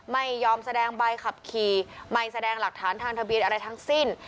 ไม่ยอมแสดงใบขับขี่ไม่แสดงหลักฐานทางทะเบียนอะไรทั้งสิ้น